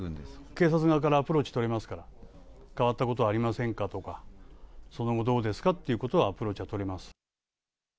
警察側からアプローチとれますから、変わったことありませんかとか、その後、どうですかってことはアプローチはとれます。